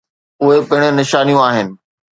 اهي پڻ نشانيون آهن.